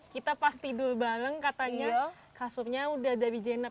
kita pas tidur bareng katanya kasurnya udah dari jeneb